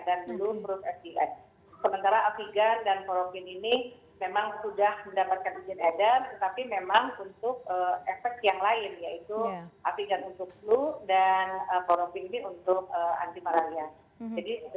kami berusaha nanti memberikan langsungan langsungan kepada pemerintah dan pemerintah pemerintah untuk memberikan perhatian perhatian yang sekiranya dapat menjadi satu penyulit